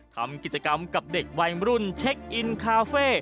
ทำกิจกรรมกับเด็กวัยรุ่นเช็คอินคาเฟ่